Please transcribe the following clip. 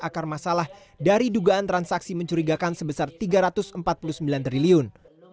akar masalah dari dugaan transaksi mencurigakan sebesar rp tiga ratus empat puluh sembilan triliun